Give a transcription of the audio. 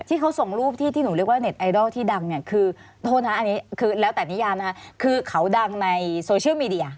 ที่เขาส่งรูปที่ที่หนูเรียกว่าเน็ตไอดอลที่ดังเนี่ยคือโทษนะอันนี้คือแล้วแต่นิยามนะคะคือเขาดังในโซเชียลมีเดีย